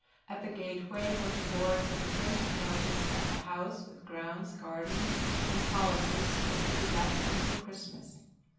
At the gateway was a board with a printed notice that the house, with grounds, gardens and policies, was to be let until Christmas.